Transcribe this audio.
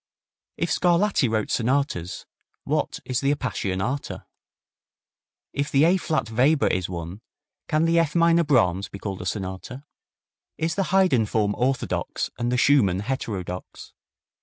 If Scarlatti wrote sonatas, what is the Appassionata? If the A flat Weber is one, can the F minor Brahms be called a sonata? Is the Haydn form orthodox and the Schumann heterodox?